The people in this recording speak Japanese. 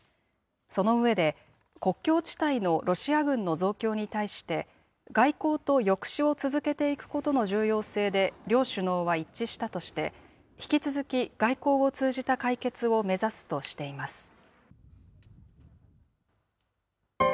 その上で、国境地帯のロシア軍の増強に対して、外交と抑止を続けていくことの重要性で両首脳は一致したとして、引き続き、外交を通じた解決を目指すとしています。